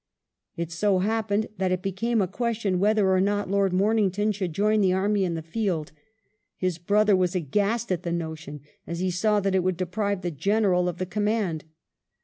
It so happened that it became a question whether or not Lord Morning ton should join the army in the field. His brother was aghast at the notion, as he saw that it would deprive the General of the command.